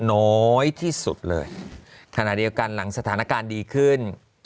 น้อยที่สุดเลยขณะเดียวกันหลังสถานการณ์ดีขึ้น